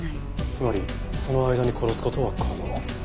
つまりその間に殺す事は可能。